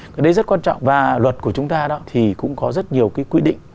cái đấy rất quan trọng và luật của chúng ta đó thì cũng có rất nhiều cái quy định